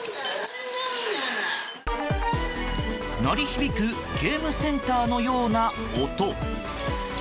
鳴り響くゲームセンターのような音。